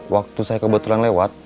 waktu saya kebetulan lewat